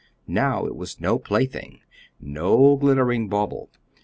Now it was no plaything no glittering bauble.